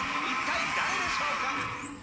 一体誰でしょうか？